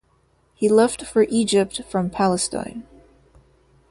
He left for Egypt from Palestine.